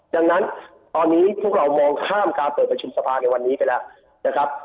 ดังนั้นตอนนี้พวกเรามองข้ามการเปิดประชุมสภาในวันนี้ไปแล้วนะครับ